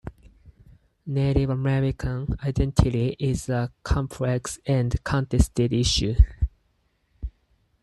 Native American identity is a complex and contested issue.